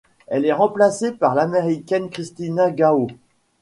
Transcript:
Elle est remplacée par l'Américaine Christina Gao.